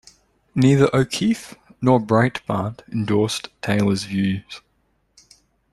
Neither O'Keefe nor Breitbart endorsed Taylor's views.